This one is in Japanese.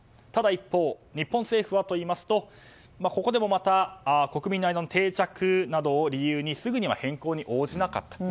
ただ一方日本政府はといいますとここでもまた国民の間の定着などを理由にすぐには変更に応じなかった。